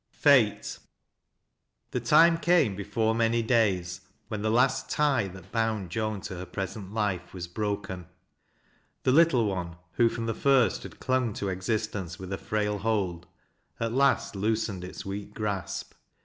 FATE. Tbi! time came, before many days, wlien the Isat tie that bound Joan to her present life was broken. The little one, who from the first had climg to existence with a frail hold, at last loosened its weak grasp.